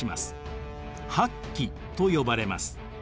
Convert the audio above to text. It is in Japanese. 八旗と呼ばれます。